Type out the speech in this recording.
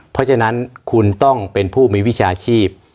เพราะฉะนั้นคุณต้องเป็นผู้มีวิชาชีพ